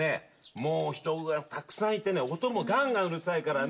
もう人がたくさんいてね音もがんがんうるさいからね。